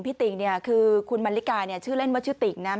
พี่ติ๋งคือคุณมริกาชื่อเล่นว่าชื่อติ๋งนะ